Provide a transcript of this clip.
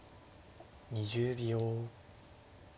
２０秒。